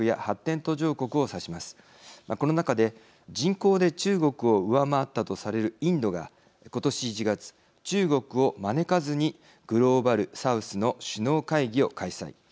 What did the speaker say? この中で人口で中国を上回ったとされるインドが今年１月中国を招かずにグローバル・サウスの首脳会議を開催。